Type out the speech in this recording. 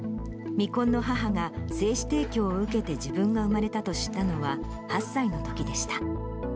未婚の母が精子提供を受けて自分が生まれたと知ったのは、８歳のときでした。